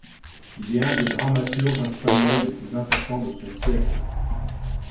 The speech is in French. Il est un des dramaturges espagnols les plus importants de son siècle.